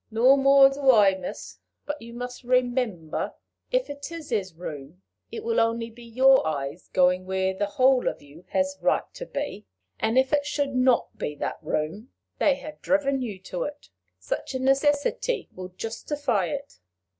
"No more do I, miss; but you must remember, if it is his room, it will only be your eyes going where the whole of you has a right to be; and, if it should not be that room, they have driven you to it: such a necessity will justify it."